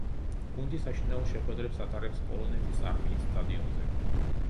გუნდი საშინაო შეხვედრებს ატარებს პოლონეთის არმიის სტადიონზე.